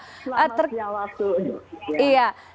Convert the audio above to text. selamat siang waktu